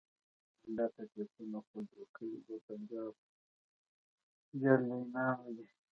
دا تکلیفونه خو جوړ کړي د پنجاب جرنیلانو دي.